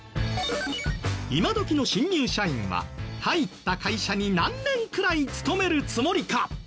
今どきの新入社員は入った会社に何年くらい勤めるつもりか？